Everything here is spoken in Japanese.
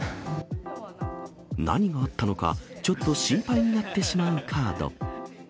何があったのか、ちょっと心配になってしまうカード。